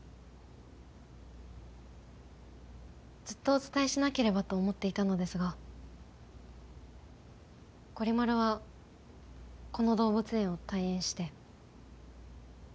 ずっとお伝えしなければと思っていたのですがゴリ丸はこの動物園を退園して。